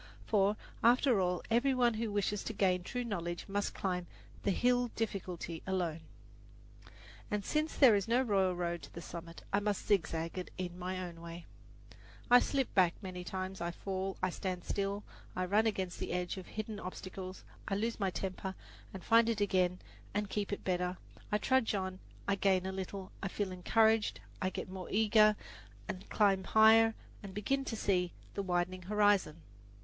For, after all, every one who wishes to gain true knowledge must climb the Hill Difficulty alone, and since there is no royal road to the summit, I must zigzag it in my own way. I slip back many times, I fall, I stand still, I run against the edge of hidden obstacles, I lose my temper and find it again and keep it better, I trudge on, I gain a little, I feel encouraged, I get more eager and climb higher and begin to see the widening horizon.